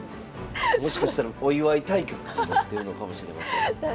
もしかしたらお祝い対局になってるのかもしれません。